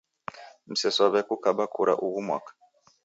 Msesow'e kukaba kura ughu mwaka.